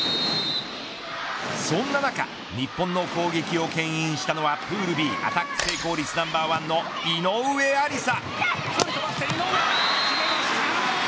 そんな中日本の攻撃をけん引したのはプールＢアタック成功率ナンバーワンの井上愛里沙。